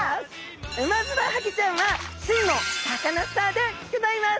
ウマヅラハギちゃんは真のサカナスターでギョざいます！